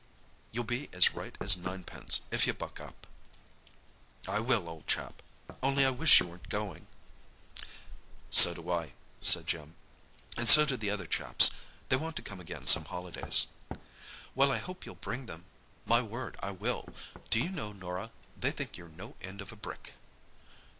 You'll be as right as ninepence if you buck up." "I will, old chap. Only I wish you weren't going." "So do I," said Jim, "and so do the other chaps. They want to come again some holidays." "Well, I hope you'll bring them." "My word! I will. Do you know, Norah, they think you're no end of a brick?"